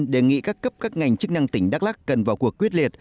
ủy ban đề nghị các cấp các ngành chức năng tỉnh đắk lắc cần vào cuộc quyết liệt